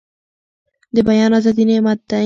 د بيان ازادي نعمت دی.